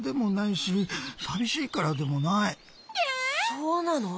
そうなの！？